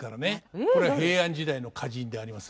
これは平安時代の歌人であります